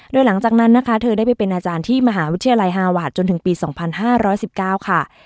โดยหลังจากนั้นนะคะเธอได้ไปเป็นอาจารย์ที่มหาวิทยาลัยฮาวาสจนถึงปี๒๕๑๙ค่ะ